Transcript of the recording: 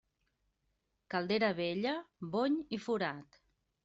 Caldera vella, bony i forat.